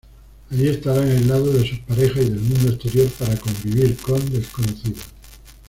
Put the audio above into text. Allí estarán aislados de sus parejas y del mundo exterior para convivir con desconocidos.